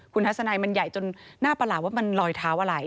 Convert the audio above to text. คุณทัศนัยมันใหญ่จนหน้าประหลาดว่ามันลอยเท้าอะไร